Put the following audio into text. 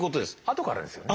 あとからですよね？